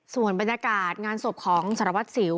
ส่วนบรรยากาศงานศพของสารวัตรสิว